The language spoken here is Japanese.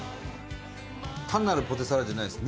単なるポテサラじゃないです。